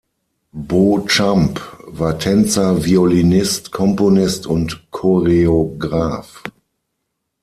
Beauchamp war Tänzer, Violinist, Komponist und Choreograf.